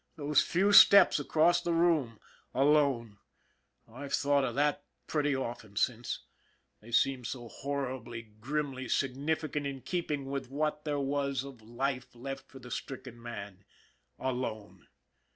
Those few steps across the room alone ! I've thought of that pretty often since they seemed so horribly, grimly, significantly in keeping with what there was of life left for the stricken man alone.